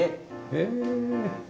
へえ。